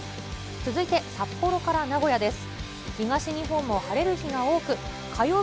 続いて札幌から名古屋です。